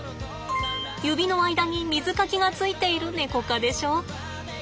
指の間に水かきがついているネコ科でしょ。